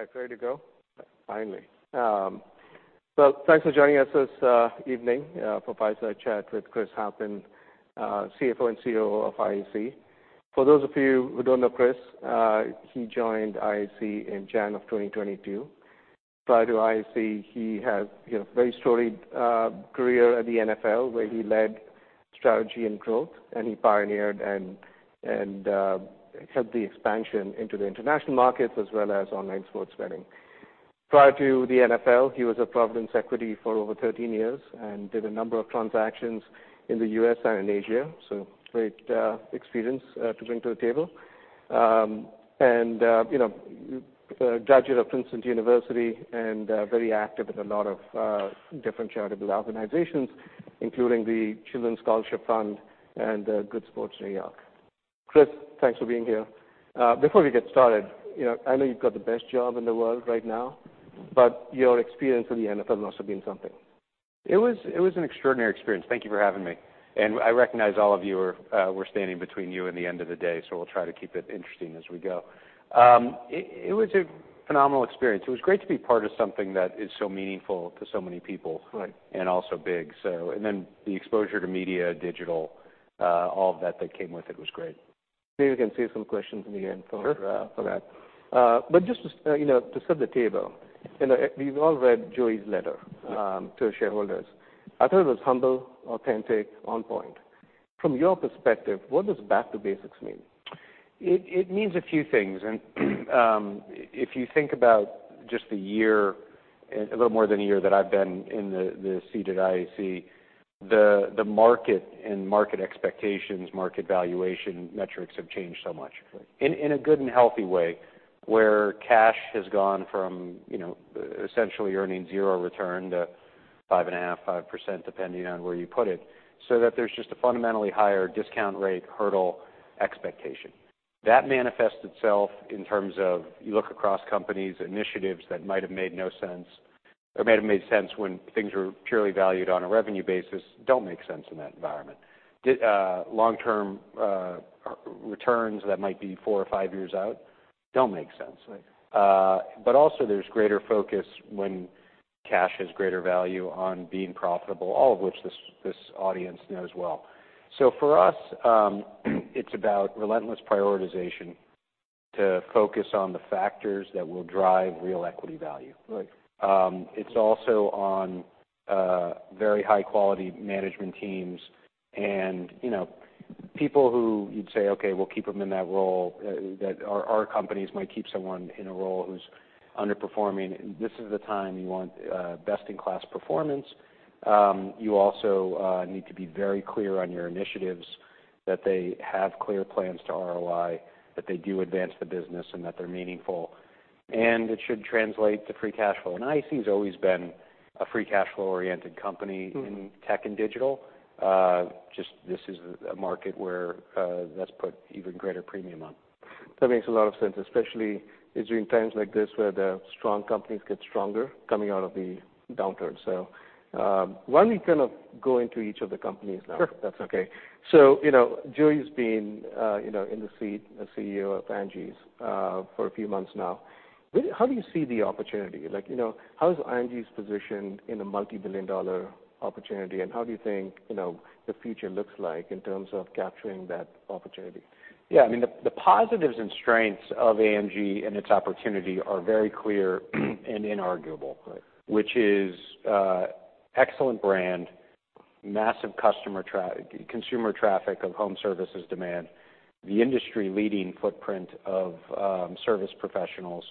All right, ready to go? Finally. Thanks for joining us this evening for fireside chat with Chris Halpin, CFO and COO of IAC. For those of you who don't know Chris, he joined IAC in Jan of 2022. Prior to IAC, he had, you know, very storied career at the NFL, where he led strategy and growth, and he pioneered and helped the expansion into the international markets as well as online sports betting. Prior to the NFL, he was at Providence Equity for over 13 years and did a number of transactions in the U.S. and in Asia, great experience to bring to the table. You know, a graduate of Princeton University and very active in a lot of different charitable organizations, including the Children's Scholarship Fund and Good Sports New York. Chris, thanks for being here. Before we get started, you know, I know you've got the best job in the world right now, but your experience in the NFL must have been something. It was an extraordinary experience. Thank you for having me. I recognize all of you, we're standing between you and the end of the day. We'll try to keep it interesting as we go. It was a phenomenal experience. It was great to be part of something that is so meaningful to so many people. Also big. Then the exposure to media, digital, all of that that came with it was great. Maybe we can save some questions in the end for that. Just to you know, to set the table, you know, we've all read Joey's letter to shareholders. I thought it was humble, authentic, on point. From your perspective, what does back to basics mean? It means a few things. If you think about just the year, a little more than a year that I've been in the seat at IAC, the market and market expectations, market valuation metrics have changed so much. In a good and healthy way, where cash has gone from, you know, essentially earning zero return to 5.5%, 5%, depending on where you put it, so that there's just a fundamentally higher discount rate hurdle expectation. That manifests itself in terms of you look across companies, initiatives that might've made no sense or might've made sense when things were purely valued on a revenue basis don't make sense in that environment. Long-term returns that might be four or five years out don't make sense. Also there's greater focus when cash has greater value on being profitable, all of which this audience knows well. For us, it's about relentless prioritization to focus on the factors that will drive real equity value. It's also on very high-quality management teams and, you know, people who you'd say, "Okay, we'll keep them in that role," that our companies might keep someone in a role who's underperforming. This is the time you want best-in-class performance. You also need to be very clear on your initiatives that they have clear plans to ROI, that they do advance the business and that they're meaningful. It should translate to free cash flow. IAC's always been a free cash flow-oriented company in tech and digital. Just this is a market where that's put even greater premium on. That makes a lot of sense, especially it's during times like this where the strong companies get stronger coming out of the downturn. Why don't we kind of go into each of the companies now if that's okay. You know, Joey's been, you know, in the seat as CEO of Angi for a few months now. How do you see the opportunity? You know, how is Angi positioned in a multi-billion dollar opportunity, and how do you think, you know, the future looks like in terms of capturing that opportunity? Yeah, I mean, the positives and strengths of Angi and its opportunity are very clear and inarguable. Which is, excellent brand, massive consumer traffic of home services demand, the industry-leading footprint of service professionals,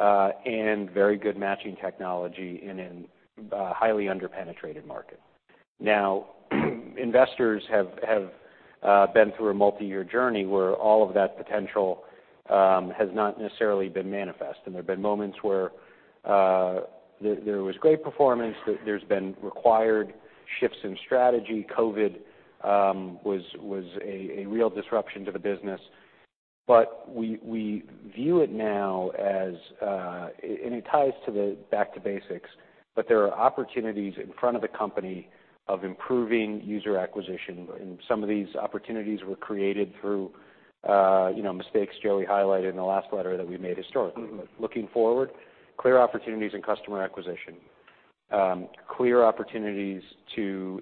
and very good matching technology in an highly under-penetrated market. Investors have been through a multi-year journey where all of that potential has not necessarily been manifest, and there've been moments where there was great performance, there's been required shifts in strategy. COVID was a real disruption to the business. We view it now as. It ties to the back to basics, but there are opportunities in front of the company of improving user acquisition, and some of these opportunities were created through, you know, mistakes Joey highlighted in the last letter that we made historically. Looking forward, clear opportunities in customer acquisition, clear opportunities to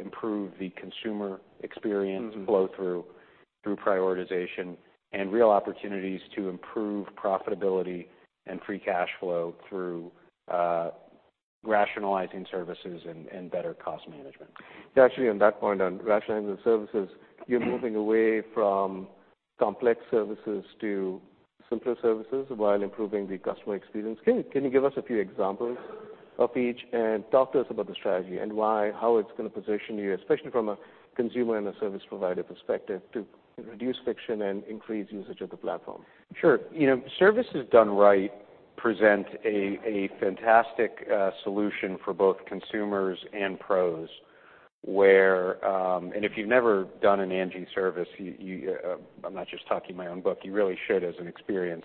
improve the consumer experience flow through prioritization, and real opportunities to improve profitability and free cash flow through rationalizing services and better cost management. Actually, on that point on rationalizing services, you're moving away from complex services to simpler services while improving the customer experience. Can you give us a few examples of each, and talk to us about the strategy and why, how it's gonna position you, especially from a consumer and a service provider perspective, to reduce friction and increase usage of the platform? Sure. You know, services done right present a fantastic solution for both consumers and pros where, and if you've never done an Angi service, you I'm not just talking my own book, you really should as an experience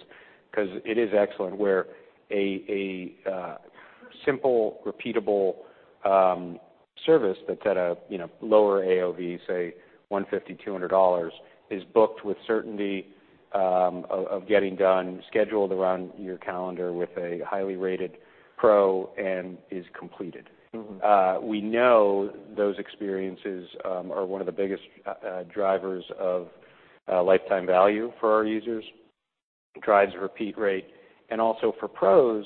'cause it is excellent, where a simple, repeatable service that's at a, you know, lower AOV, say $150-$200, is booked with certainty, of getting done, scheduled around your calendar with a highly rated pro and is completed. We know those experiences are one of the biggest drivers of lifetime value for our users. It drives repeat rate, and also for pros,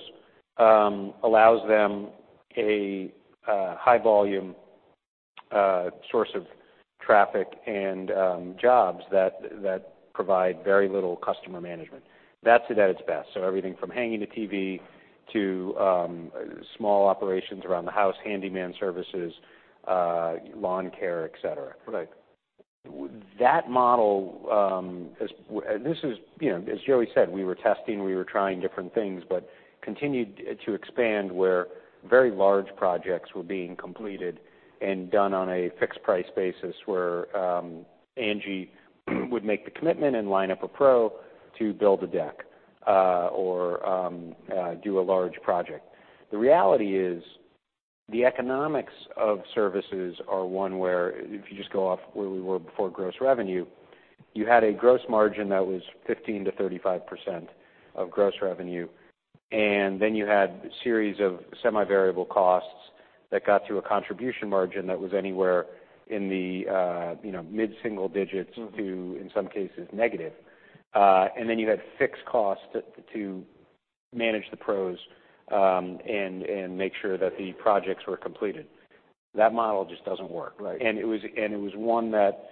allows them a high volume source of traffic and jobs that provide very little customer management. That's it at its best. Everything from hanging a TV to small operations around the house, handyman services, lawn care, et cetera. Right. That model, this is, you know, as Joey said, we were testing, we were trying different things, but continued to expand where very large projects were being completed and done on a fixed price basis where, Angi would make the commitment and line up a pro to build a deck, or, do a large project. The reality is, the economics of services are one where if you just go off where we were before gross revenue, you had a gross margin that was 15%-35% of gross revenue, and then you had a series of semi-variable costs that got to a contribution margin that was anywhere in the, you know, mid-single digits to, in some cases, negative. Then you had fixed costs to manage the pros and make sure that the projects were completed. That model just doesn't work. It was one that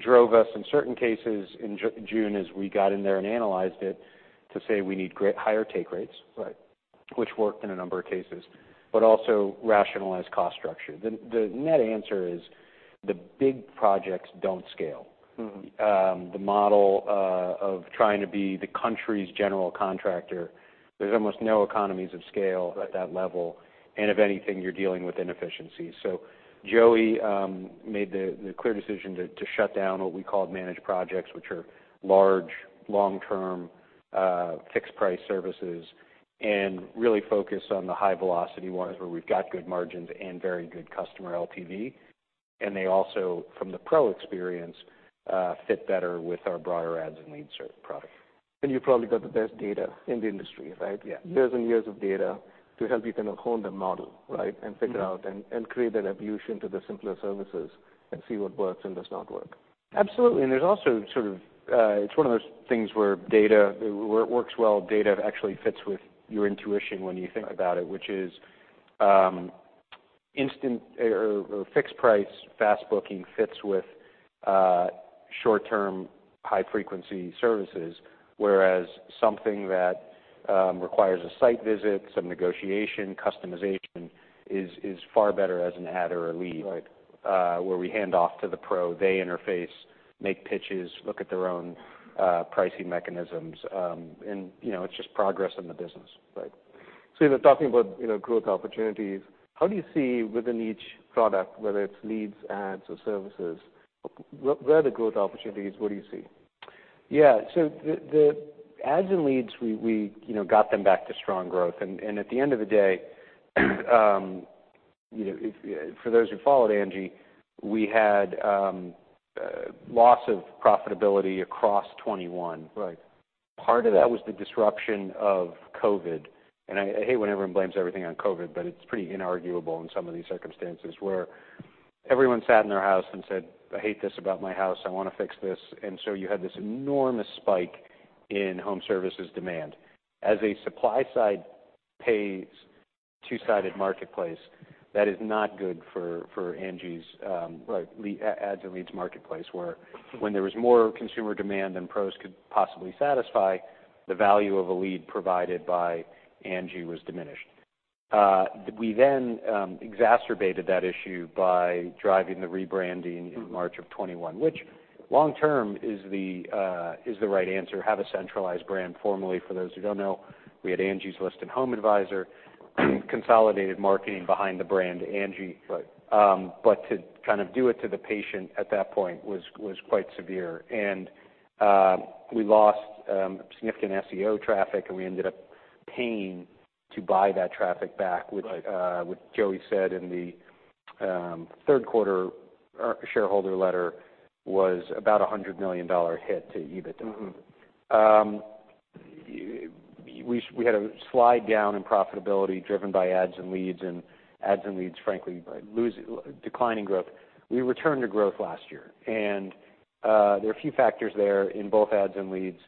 drove us, in certain cases, in June, as we got in there and analyzed it, to say we need higher take rates which worked in a number of cases, but also rationalize cost structure. The net answer is the big projects don't scale. The model of trying to be the country's general contractor, there's almost no economies of scale at that level, and if anything, you're dealing with inefficiencies. Joey made the clear decision to shut down what we called managed projects, which are large, long-term, fixed price services, and really focus on the high velocity ones where we've got good margins and very good customer LTV. They also, from the pro experience, fit better with our broader ads and lead serve product. You've probably got the best data in the industry, right? Years and years of data to help you kind of hone the model, right? Figure out and create an evolution to the simpler services and see what works and does not work. Absolutely. There's also sort of, it's one of those things where data where it works well, data actually fits with your intuition when you think about it, which is, instant or fixed price fast booking fits with short-term, high-frequency services, whereas something that requires a site visit, some negotiation, customization is far better as an ad or a lead where we hand off to the pro, they interface, make pitches, look at their own pricing mechanisms, you know, it's just progress in the business. Right. You were talking about, you know, growth opportunities. How do you see within each product, whether it's leads, ads or services, where are the growth opportunities? What do you see? Yeah. The ads and leads, we, you know, got them back to strong growth. And at the end of the day, you know, for those who followed Angi, we had loss of profitability across 2021. Part of that was the disruption of COVID. I hate when everyone blames everything on COVID, but it's pretty inarguable in some of these circumstances, where everyone sat in their house and said, "I hate this about my house. I wanna fix this." You had this enormous spike in home services demand. As a supply side pays two-sided marketplace, that is not good for Angi ads and leads marketplace, where when there was more consumer demand than pros could possibly satisfy, the value of a lead provided by Angi was diminished. We then exacerbated that issue by driving the rebranding in March of 2021, which long term is the is the right answer. Have a centralized brand formally. For those who don't know, we had Angie's List and HomeAdvisor, consolidated marketing behind the brand Angi. Right. To kind of do it to the patient at that point was quite severe. We lost significant SEO traffic, and we ended up paying to buy that traffic back, which Joey said in the third quarter shareholder letter was about a $100 million hit to EBITDA. We had a slide down in profitability driven by ads and leads, ads and leads, frankly, declining growth. We returned to growth last year, there are a few factors there in both ads and leads.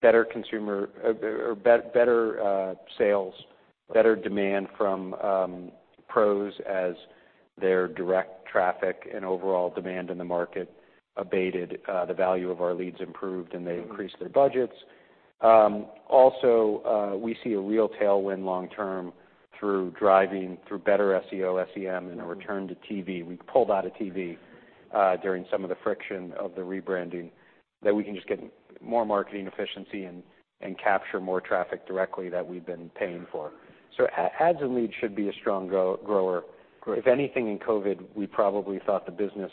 Better consumer or better sales, better demand from pros as their direct traffic and overall demand in the market abated, the value of our leads improved, and they increased their budgets. Also, we see a real tailwind long term through driving, through better SEO, SEM, and a return to TV. We pulled out of TV during some of the friction of the rebranding, that we can just get more marketing efficiency and capture more traffic directly that we've been paying for. Ads and leads should be a strong grower. If anything in COVID, we probably thought the business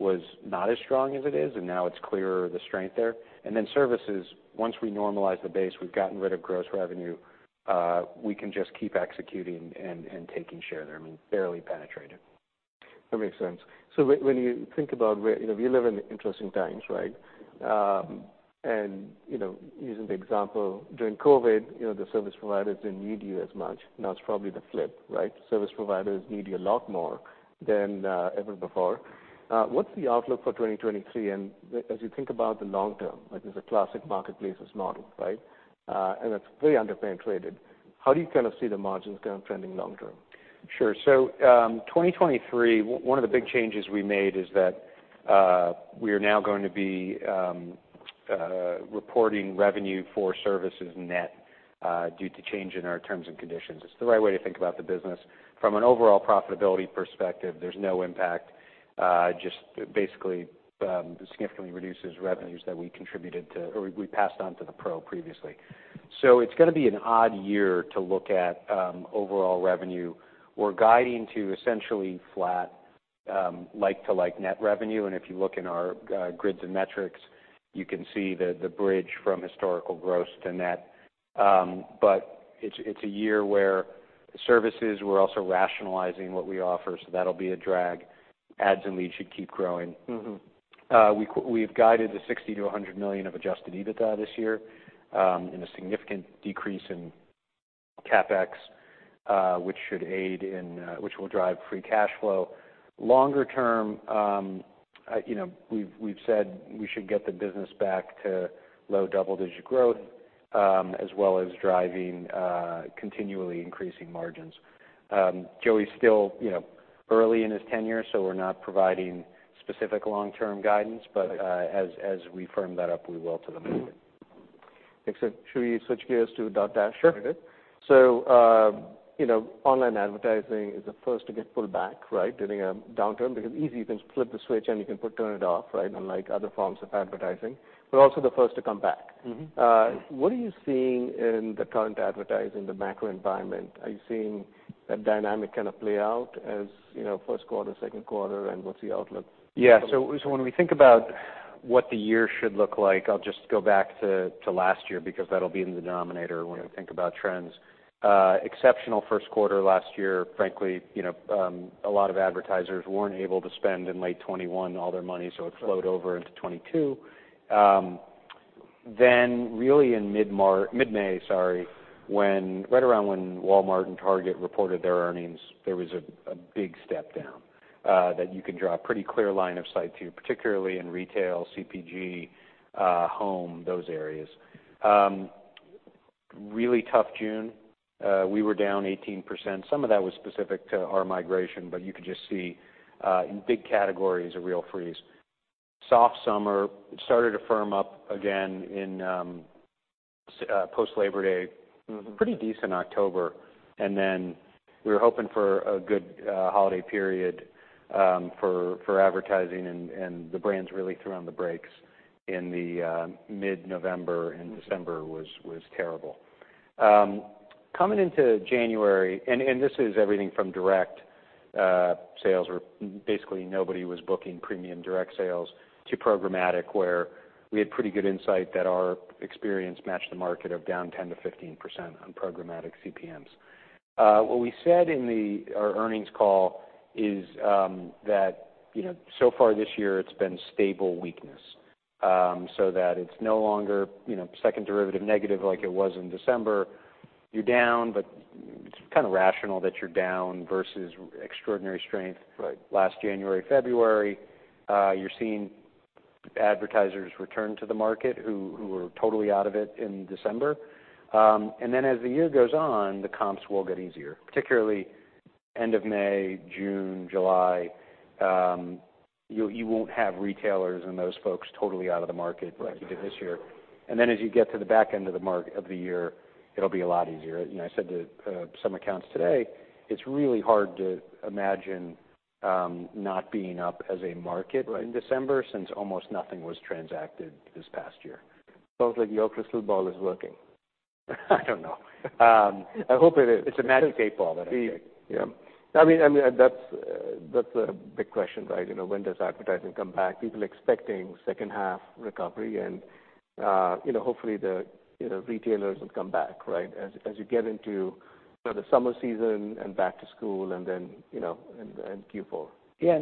was not as strong as it is, and now it's clearer the strength there. Then services, once we normalize the base, we've gotten rid of gross revenue, we can just keep executing and taking share there. I mean, barely penetrated. That makes sense. When you think about where-- You know, we live in interesting times, right? You know, using the example, during COVID, you know, the service providers didn't need you as much. Now it's probably the flip, right? Service providers need you a lot more than ever before. What's the outlook for 2023? As you think about the long term, like as a classic marketplaces model, right? It's very under-penetrated. How do you kind of see the margins kind of trending long term? Sure. 2023, one of the big changes we made is that we are now going to be reporting revenue for services net due to change in our terms and conditions. It's the right way to think about the business. From an overall profitability perspective, there's no impact, just basically significantly reduces revenues that we contributed to, or we passed on to the pro previously. It's gonna be an odd year to look at overall revenue. We're guiding to essentially flat like-to-like net revenue, and if you look in our grids and metrics, you can see the bridge from historical gross to net. It's a year where services, we're also rationalizing what we offer, so that'll be a drag. Ads and leads should keep growing. We've guided the $60 million-$100 million of adjusted EBITDA this year, and a significant decrease in CapEx, which should aid in, which will drive free cash flow. Longer term, I, you know, we've said we should get the business back to low double-digit growth, as well as driving, continually increasing margins. Joey's still, you know, early in his tenure, so we're not providing specific long-term guidance, but, as we firm that up, we will to the market. Excellent. Should we switch gears to Dotdash? Sure. You know, online advertising is the first to get pulled back, right, during a downturn, because easy, you can flip the switch and you can turn it off, right, unlike other forms of advertising, but also the first to come back. What are you seeing in the current advertising, the macro environment? Are you seeing that dynamic kind of play out as, you know, first quarter, second quarter, and what's the outlook? When we think about what the year should look like, I'll just go back to last year because that'll be in the denominator when we think about trends. Exceptional first quarter last year. Frankly, you know, a lot of advertisers weren't able to spend in late 2021 all their money, so it flowed over into 2022. Really in mid-May, sorry, right around when Walmart and Target reported their earnings, there was a big step down that you can draw a pretty clear line of sight to, particularly in retail, CPG, home, those areas. Really tough June. We were down 18%. Some of that was specific to our migration, but you could just see in big categories, a real freeze. Soft summer. It started to firm up again in, post Labor Day. Pretty decent October. We were hoping for a good holiday period, for advertising and the brands really threw on the brakes in the mid-November, and December was terrible. Coming into January. This is everything from direct sales where basically nobody was booking premium direct sales to programmatic, where we had pretty good insight that our experience matched the market of down 10%-15% on programmatic CPMs. What we said in our earnings call is that, you know, so far this year it's been stable weakness, so that it's no longer, you know, second derivative negative like it was in December. You're down, but it's kind of rational that you're down versus extraordinary strength. Last January, February. You're seeing advertisers return to the market who were totally out of it in December. As the year goes on, the comps will get easier, particularly end of May, June, July. You won't have retailers and those folks totally out of the market like you did this year. As you get to the back end of the year, it'll be a lot easier. You know, I said to some accounts today, it's really hard to imagine not being up as a market in December since almost nothing was transacted this past year. Sounds like your crystal ball is working. I don't know. I hope it is. It's a magic eight ball that I carry. Yeah. I mean, that's a big question, right? You know, when does advertising come back? People expecting second half recovery. You know, hopefully the, you know, retailers will come back, right? As you get into, you know, the summer season and back to school and then, you know, and Q4. Yeah,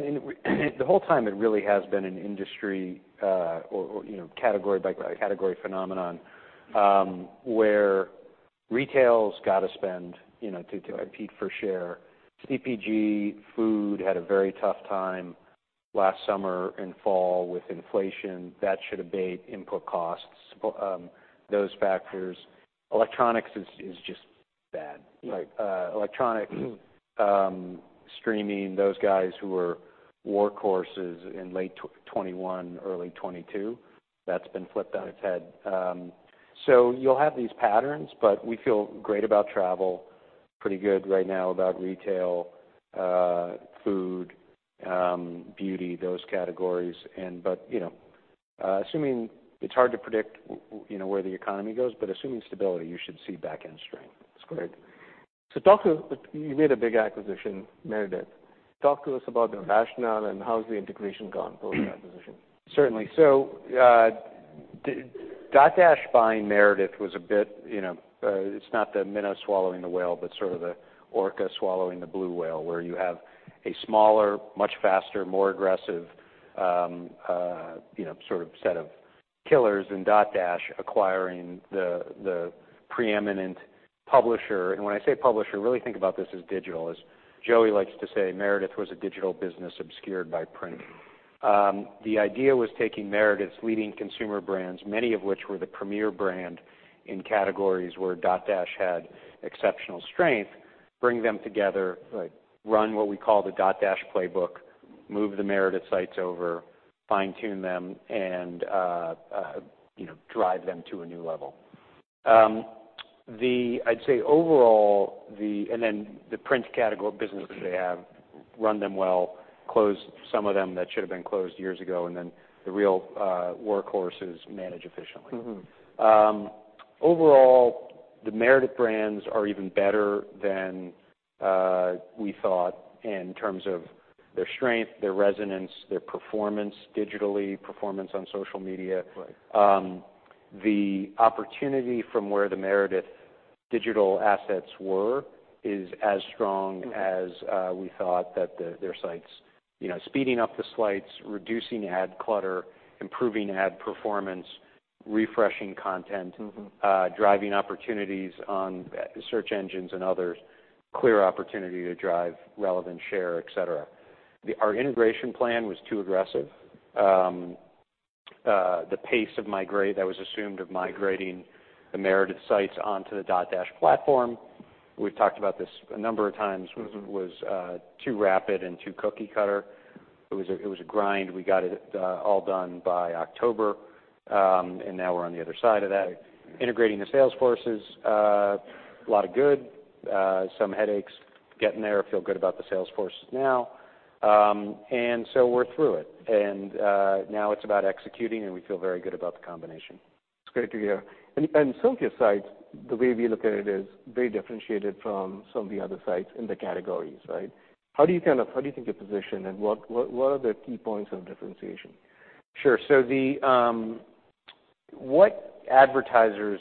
the whole time it really has been an industry, or, you know, category by category phenomenon, where retail's gotta spend, you know, to compete for share. CPG, food had a very tough time last summer and fall with inflation. That should abate input costs. Those factors. Electronics is just bad. Right. Electronic, streaming, those guys who were workhorses in late 2021, early 2022, that's been flipped on its head. You'll have these patterns, but we feel great about travel, pretty good right now about retail, food, beauty, those categories. But, you know, assuming it's hard to predict you know, where the economy goes, but assuming stability, you should see back-end strength. That's great. You made a big acquisition, Meredith. Talk to us about the rationale and how's the integration gone for the acquisition? Certainly. Dotdash buying Meredith was a bit, you know, it's not the minnow swallowing the whale, but sort of the orca swallowing the blue whale, where you have a smaller, much faster, more aggressive, you know, sort of set of killers in Dotdash acquiring the preeminent publisher. When I say publisher, really think about this as digital. As Joey likes to say, Meredith was a digital business obscured by print. The idea was taking Meredith's leading consumer brands, many of which were the premier brand in categories where Dotdash had exceptional strength, bring them together, like, run what we call the Dotdash playbook, move the Meredith sites over, fine-tune them, and, you know, drive them to a new level. I'd say overall, the print category business that they have, run them well, close some of them that should've been closed years ago, and then the real workhorses manage efficiently. Overall, the Meredith brands are even better than we thought in terms of their strength, their resonance, their performance digitally, performance on social media. Right. The opportunity from where the Meredith digital assets were is as strong as we thought that their sites. You know, speeding up the sites, reducing ad clutter, improving ad performance, refreshing content, driving opportunities on search engines and others, clear opportunity to drive relevant share, et cetera. Our integration plan was too aggressive. The pace of migrate that was assumed of migrating the Meredith sites onto the Dotdash platform, we've talked about this a number of times was too rapid and too cookie cutter. It was a grind. We got it all done by October, and now we're on the other side of that. Integrating the sales forces, a lot of good, some headaches getting there. Feel good about the sales forces now. So we're through it. Now it's about executing, and we feel very good about the combination. It's great to hear. Some of your sites, the way we look at it is very differentiated from some of the other sites in the categories, right? How do you think you're positioned, and what are the key points of differentiation? Sure. The What advertisers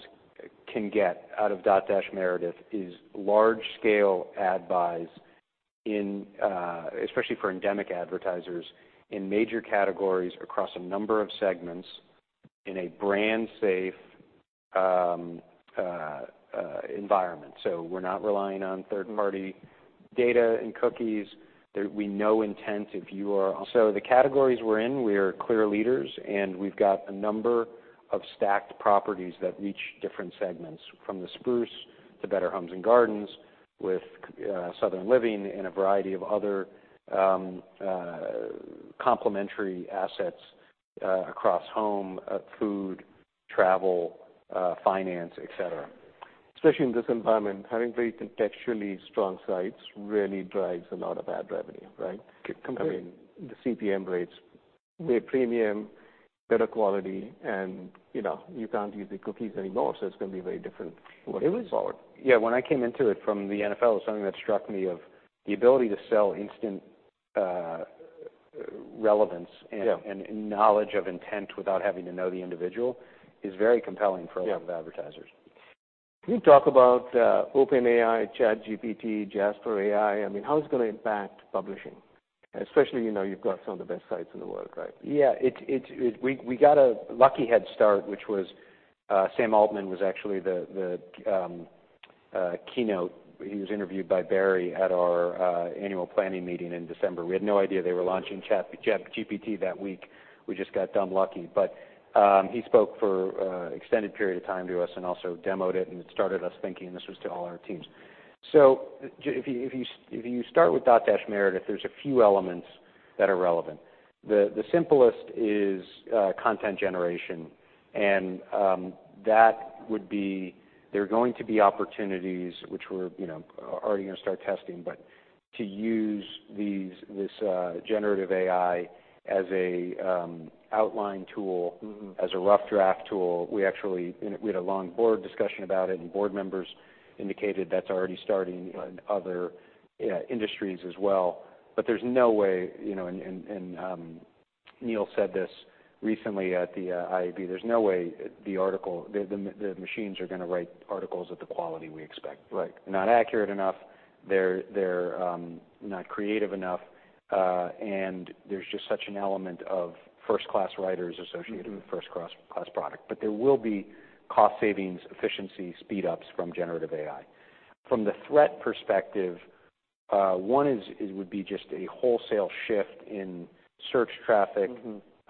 can get out of Dotdash Meredith is large scale ad buys in especially for endemic advertisers in major categories across a number of segments in a brand safe environment. We're not relying on third party data and cookies. We know intent. The categories we're in, we're clear leaders, and we've got a number of stacked properties that reach different segments, from The Spruce to Better Homes & Gardens with Southern Living and a variety of other complementary assets across home, food, travel, finance, et cetera. Especially in this environment, having very contextually strong sites really drives a lot of ad revenue, right? Completely. I mean, the CPM rates, they're premium, better quality, and, you know, you can't use the cookies anymore, so it's gonna be very different looking forward. Yeah, when I came into it from the NFL, something that struck me of the ability to sell instant, relevance and knowledge of intent without having to know the individual is very compelling. A lot of advertisers. Can you talk about OpenAI, ChatGPT, Jasper AI? I mean, how it's gonna impact publishing, especially, you know, you've got some of the best sites in the world, right? Yeah. We got a lucky head start, which was Sam Altman was actually the keynote. He was interviewed by Barry at our annual planning meeting in December. We had no idea they were launching ChatGPT that week. We just got dumb lucky. He spoke for extended period of time to us and also demoed it, and it started us thinking, this was to all our teams. If you start with Dotdash Meredith, there's a few elements that are relevant. The simplest is content generation, and there are going to be opportunities which we're, you know, already gonna start testing. To use these, this generative AI as a outline tool, as a rough draft tool, we actually and we had a long board discussion about it, and board members indicated that's already starting in other industries as well. There's no way, you know, and Neil said this recently at the IAB, there's no way the machines are gonna write articles at the quality we expect. Right. Not accurate enough. They're not creative enough. There's just such an element of first-class writers associated with first-class product. There will be cost savings, efficiency, speed ups from generative AI. From the threat perspective, one is it would be just a wholesale shift in search traffic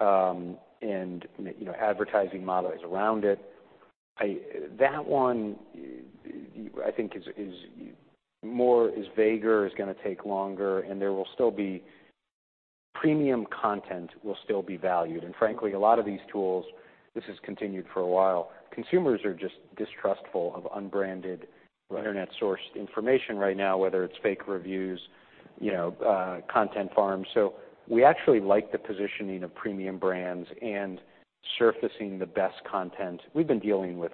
and, you know, advertising models around it. That one, I think is more is vaguer, is gonna take longer, and there will still be-- Premium content will still be valued. Frankly, a lot of these tools, this has continued for a while, consumers are just distrustful of unbranded internet sourced information right now, whether it's fake reviews, you know, content farms. We actually like the positioning of premium brands and Surfacing the best content. We've been dealing with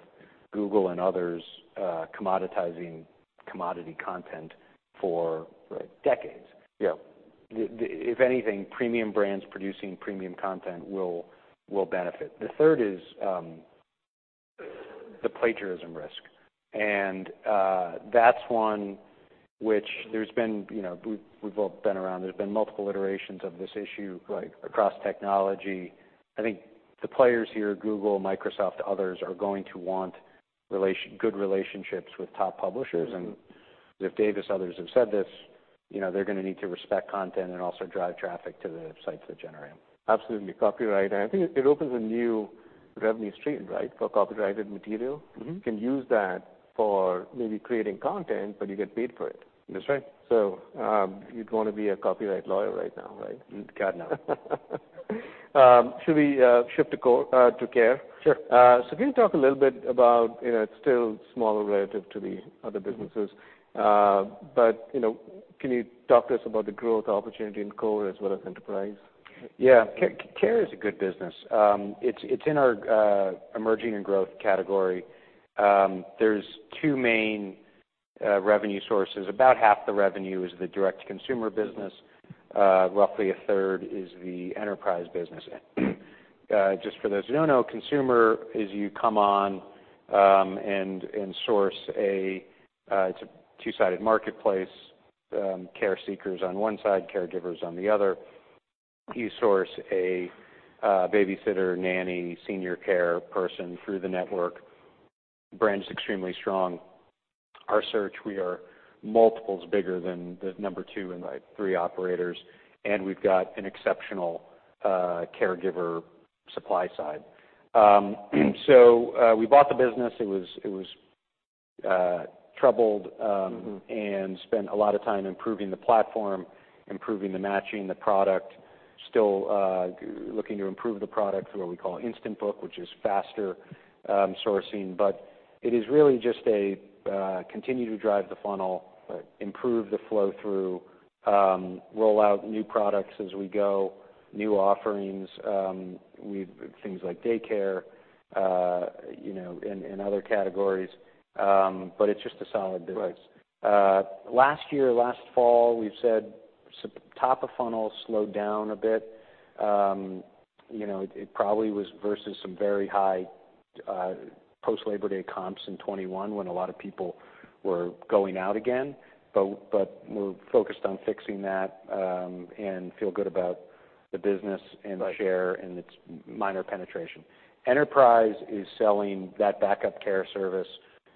Google and others, commoditizing commodity content for, decades. Yeah. The if anything, premium brands producing premium content will benefit. The third is the plagiarism risk. That's one which there's been, you know, we've all been around. There's been multiple iterations of this issue across technology. I think the players here, Google, Microsoft, others, are going to want good relationships with top publishers. Ziff Davis, others have said this, you know, they're gonna need to respect content and also drive traffic to the sites that generate. Absolutely. Copyright. I think it opens a new revenue stream, right, for copyrighted material. You can use that for maybe creating content. You get paid for it. That's right. You'd wanna be a copyright lawyer right now, right? You'd gotta know. Should we shift to Care? Sure. Can you talk a little bit about, you know, it's still smaller relative to the other businesses. Can you talk to us about the growth opportunity in core as well as enterprise? Yeah. Care is a good business. It's in our emerging and growth category. There's two main revenue sources. About half the revenue is the direct-to-consumer business. Roughly a third is the enterprise business. Just for those who don't know, consumer is you come on and source a, it's a two-sided marketplace, care seekers on one side, caregivers on the other. You source a babysitter, nanny, senior care person through the network. Brand's extremely strong. Our search, we are multiples bigger than the number two and, like, three operators, and we've got an exceptional caregiver supply side. We bought the business, it was troubled. Spent a lot of time improving the platform, improving the matching, the product. Still, looking to improve the product through what we call Instant Book, which is faster, sourcing. It is really just a continue to drive the funnel improve the flow through, roll out new products as we go, new offerings. Things like daycare, you know, and other categories. It's just a solid business. Right. Last year, last fall, we've said top of funnel slowed down a bit. you know, it probably was versus some very high, post-Labor Day comps in 2021 when a lot of people were going out again. We're focused on fixing that, and feel good about the business share and its minor penetration. Enterprise is selling that backup care service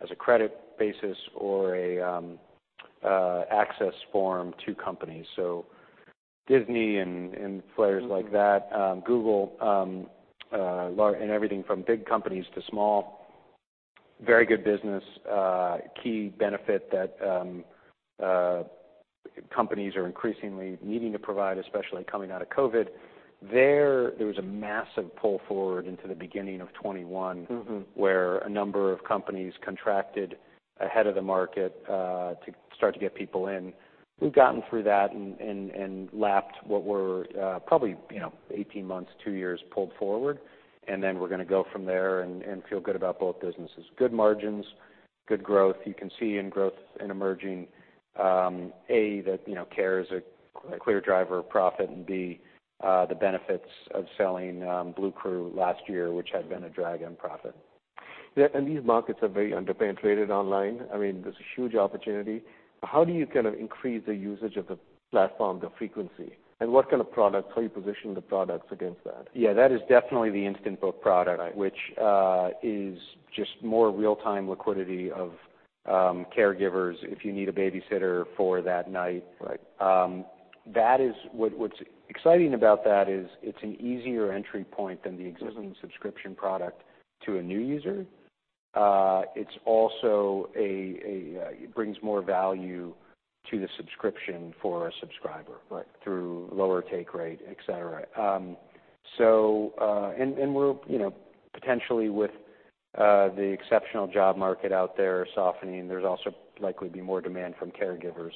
as a credit basis or a access form to companies. Disney and players like that. Google and everything from big companies to small. Very good business. Key benefit that companies are increasingly needing to provide, especially coming out of COVID. There was a massive pull forward into the beginning of 2021 where a number of companies contracted ahead of the market to start to get people in. We've gotten through that and lapped what we're probably 18 months, two years pulled forward. We're gonna go from there and feel good about both businesses. Good margins, good growth. You can see in growth in emerging, A, that Care is a clear driver of profit, and B, the benefits of selling Bluecrew last year, which had been a drag on profit. Yeah, these markets are very underpenetrated online. I mean, there's a huge opportunity. How do you kind of increase the usage of the platform, the frequency? What kind of products, how you position the products against that? Yeah. That is definitely the Instant Book product which is just more real-time liquidity of caregivers if you need a babysitter for that night. That is what's exciting about that is it's an easier entry point than the existing subscription product to a new user. It's also a, it brings more value to the subscription for a subscriber through lower take rate, et cetera. We'll, you know, potentially with the exceptional job market out there softening, there's also likely to be more demand from caregivers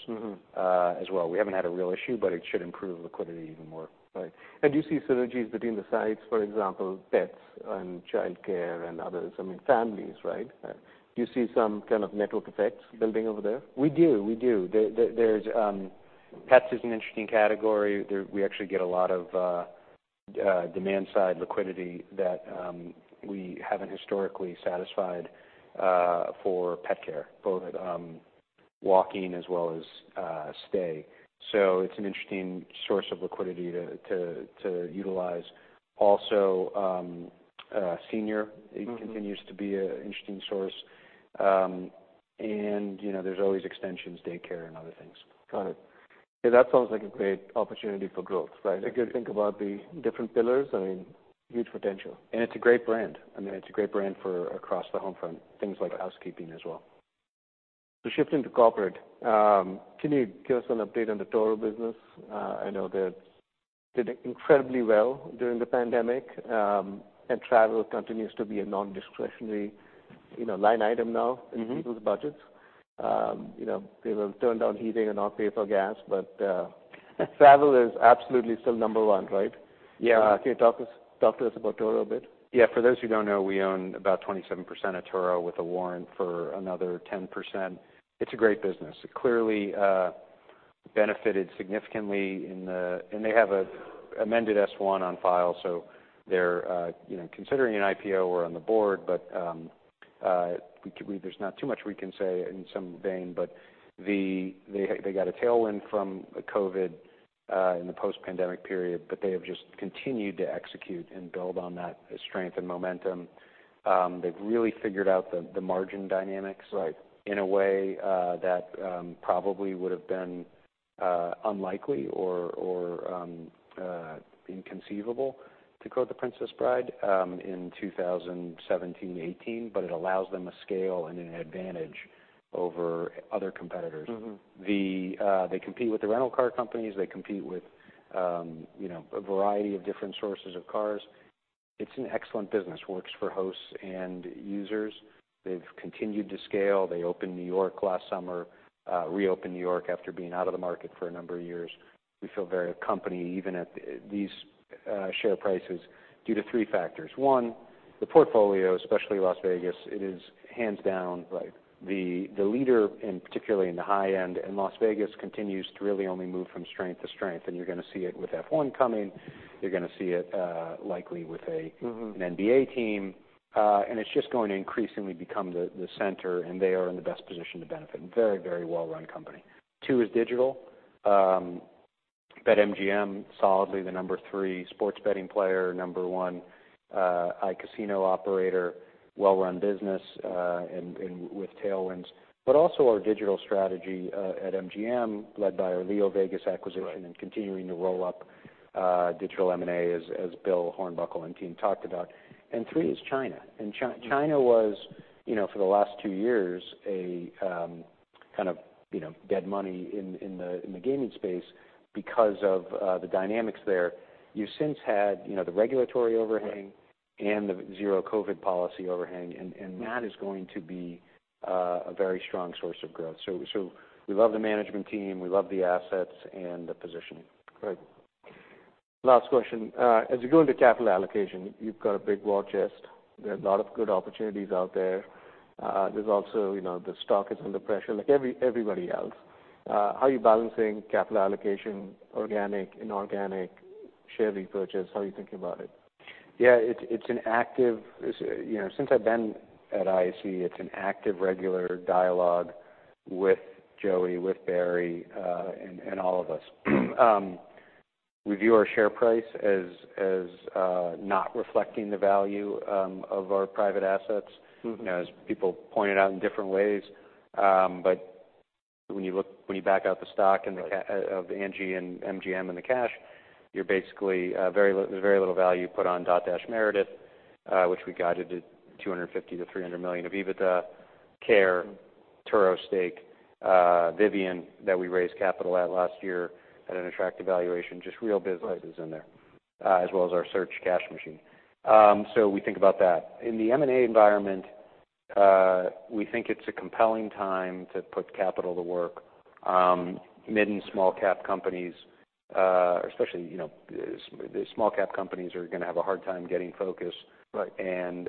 as well. We haven't had a real issue, but it should improve liquidity even more. Right. Do you see synergies between the sites, for example, pets and childcare and others, I mean, families, right? Right. Do you see some kind of network effects building over there? We do. There's Pets is an interesting category. We actually get a lot of demand side liquidity that we haven't historically satisfied for pet care, both, walking as well as, stay. It's an interesting source of liquidity to utilize. Also, senior, it continues to be a interesting source. You know, there's always extensions, daycare and other things. Got it. Yeah, that sounds like a great opportunity for growth, right? If you think about the different pillars, I mean, huge potential. It's a great brand. I mean, it's a great brand for across the home front, things like housekeeping as well. Shifting to corporate, can you give us an update on the Turo business? I know that did incredibly well during the pandemic, and travel continues to be a nondiscretionary, you know, line item now in people's budgets. You know, people have turned down heating and not pay for gas, but travel is absolutely still number one, right? Yeah. Can you talk us, talk to us about Turo a bit? Yeah. For those who don't know, we own about 27% of Turo with a warrant for another 10%. It's a great business. It clearly benefited significantly in-- They have a amended S-1 on file, so they're, you know, considering an IPO. We're on the board. There's not too much we can say in some vein, but they got a tailwind from COVID in the post-pandemic period, but they have just continued to execute and build on that strength and momentum. They've really figured out the margin dynamics in a way, that probably would've been unlikely or inconceivable, to quote The Princess Bride, in 2017, 2018, but it allows them a scale and an advantage over other competitors. They compete with the rental car companies. They compete with, you know, a variety of different sources of cars. It's an excellent business, works for hosts and users. They've continued to scale. They opened New York last summer, reopened New York after being out of the market for a number of years. We feel very company even at these share prices due to three factors. One. The portfolio, especially Las Vegas, it is hands down the leader in, particularly in the high end, Las Vegas continues to really only move from strength to strength. You're gonna see it with F1 coming. You're gonna see it, likely with an NBA team. It's just going to increasingly become the center, and they are in the best position to benefit. Very, very well-run company. Two is digital. BetMGM solidly the number three sports betting player, number one iCasino operator, well-run business, and with tailwinds. Also our digital strategy, at MGM led by our LeoVegas acquisition continuing to roll up digital M&A as Bill Hornbuckle and team talked about. Three is China. China was, you know, for the last two years, a kind of, you know, dead money in the gaming space because of the dynamics there. You've since had, you know, the regulatory overhang and the zero COVID policy overhang. That is going to be a very strong source of growth. We love the management team, we love the assets and the positioning. Great. Last question. As you go into capital allocation, you've got a big war chest. There are a lot of good opportunities out there. There's also, you know, the stock is under pressure like everybody else. How are you balancing capital allocation, organic, inorganic, share repurchase? How are you thinking about it? Yeah, it's, you know, since I've been at IAC, it's an active, regular dialogue with Joey, with Barry, and all of us. We view our share price as not reflecting the value of our private assets. You know, as people pointed out in different ways. When you back out the stock and the of Angi and MGM and the cash, you're basically, there's very little value put on Dotdash Meredith, which we guided at $250 million-$300 million of EBITDA, Care, Turo stake, Vivian that we raised capital at last year at an attractive valuation. Just real businesses in there, as well as our search cash machine. We think about that. In the M&A environment, we think it's a compelling time to put capital to work. Mid and small cap companies, especially, you know, the small cap companies are gonna have a hard time getting focused. These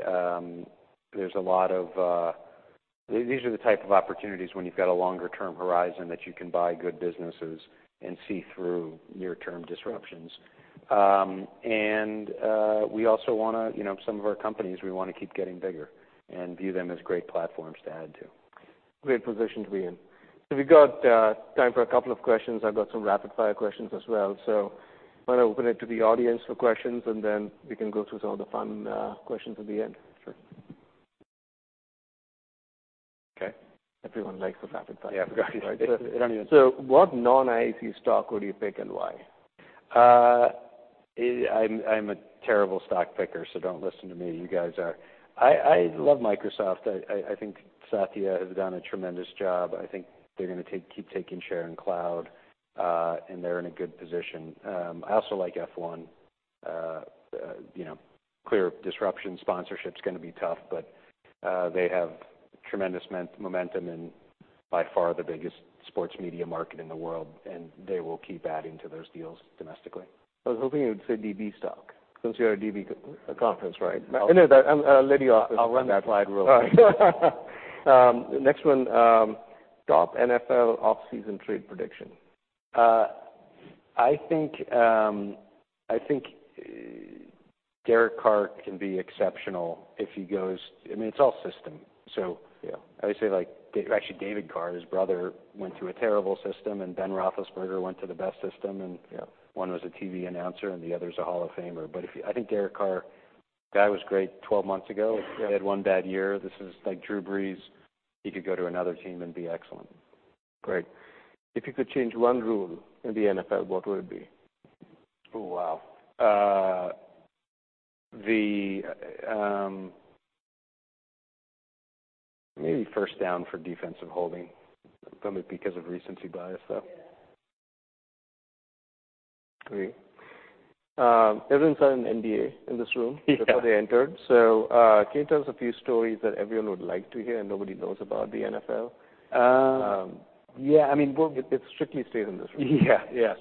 are the type of opportunities when you've got a longer term horizon that you can buy good businesses and see through near-term disruptions. We also wanna, you know, some of our companies we wanna keep getting bigger and view them as great platforms to add to. Great position to be in. We've got time for a couple of questions. I've got some rapid-fire questions as well. Wanna open it to the audience for questions, and then we can go through some of the fun questions at the end. Sure. Okay. Everyone likes the rapid fire. What non-IAC stock would you pick and why? I'm a terrible stock picker, don't listen to me. You guys are-- I love Microsoft. I think Satya has done a tremendous job. I think they're gonna keep taking share in cloud, they're in a good position. I also like F1. You know, clear disruption. Sponsorship's gonna be tough, they have tremendous momentum and by far the biggest sports media market in the world, they will keep adding to those deals domestically. I was hoping you would say DB stock since you're at a DB conference. Right. I know that, Lydia-- I'll run that slide real quick. Next one. Top NFL off-season trade prediction. I think Derek Carr can be exceptional if he goes-- I mean, it's all system. I always say, like, actually David Carr, his brother, went through a terrible system, and Ben Roethlisberger went to the best system, one was a TV announcer, and the other's a Hall of Famer. I think Derek Carr, guy was great 12 months ago. He had one bad year. This is like Drew Brees. He could go to another team and be excellent. Great. If you could change one rule in the NFL, what would it be? Oh, wow. Maybe first down for defensive holding, probably because of recency bias though. Great. Everyone signed an NDA in this room before they entered. Can you tell us a few stories that everyone would like to hear and nobody knows about the NFL? Yeah, I mean, it strictly stays in this room. Yeah.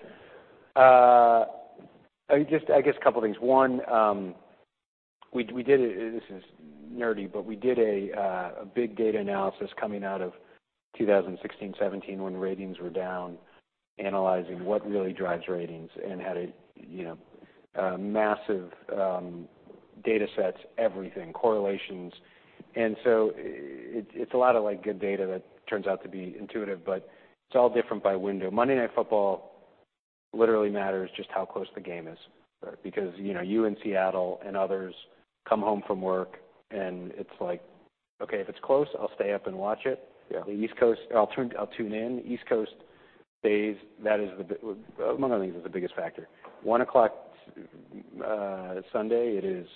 I just, I guess a couple things. One, we did a, this is nerdy, but we did a big data analysis coming out of 2016, 2017 when ratings were down, analyzing what really drives ratings and had a, you know, massive, data sets, everything, correlations. It's a lot of, like, good data that turns out to be intuitive, but it's all different by window. Monday Night Football literally matters just how close the game is. Right. You know, you in Seattle and others come home from work and it's like, "Okay, if it's close, I'll stay up and watch it. The East Coast, I'll tune in. That is the among other things, is the biggest factor. 1 o'clock, Sunday it is,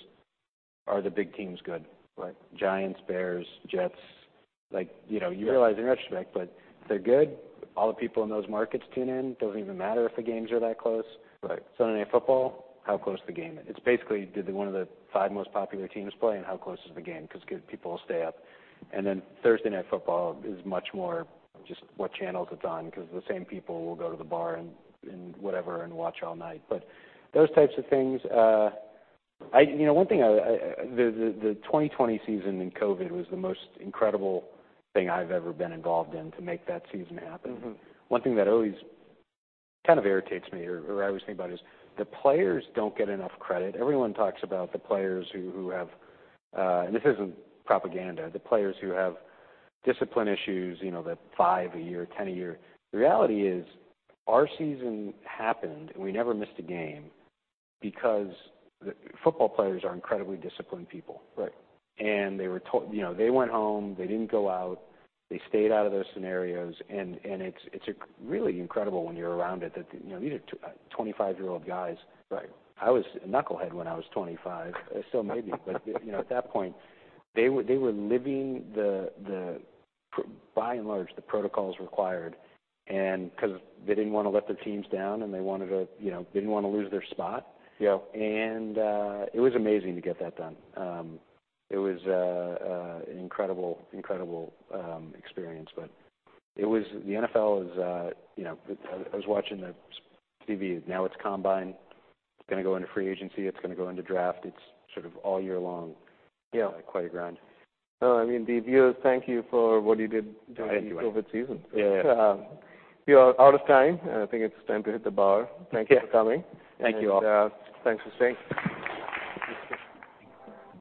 are the big teams good? Right. Giants, Bears, Jets. Like, you know, you realize in retrospect, but if they're good, all the people in those markets tune in, doesn't even matter if the games are that close. Sunday Night Football, how close the game is. It's basically did the, one of the five most popular teams play and how close is the game? 'Cause good people will stay up. Thursday Night Football is much more just what channels it's on, 'cause the same people will go to the bar and whatever and watch all night. Those types of things, I, you know, one thing. The 2020 season in COVID was the most incredible thing I've ever been involved in to make that season happen. One thing that always kind of irritates me or I always think about is the players don't get enough credit. Everyone talks about the players who have, and this isn't propaganda, the players who have discipline issues, you know, the 5 year, 10 year. The reality is our season happened and we never missed a game because the football players are incredibly disciplined people. Right. They were told. You know, they went home. They didn't go out. They stayed out of those scenarios and it's a really incredible when you're around it that, you know, these are 25-year-old guys. I was a knucklehead when I was 25. Still maybe. You know, at that point, they were living the by and large, the protocols required and kind of they didn't wanna let their teams down, and they wanted to, you know, they didn't wanna lose their spot. Yeah. It was amazing to get that done. It was an incredible experience. The NFL is, you know, I was watching the TV. Now it's Combine. It's gonna go into free agency. It's gonna go into draft. It's sort of all year long. Quite a grind. No, I mean, the viewers thank you for what you did during the COVID season. Yeah. We are out of time, and I think it's time to hit the bar. Thank you for coming. Thank you all. Thanks for staying.